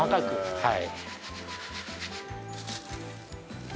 はい。